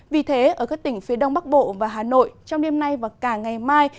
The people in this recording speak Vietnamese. vì thế ở các tỉnh phía đông bắc bộ và hà nội trong đêm nay và cả ngày mai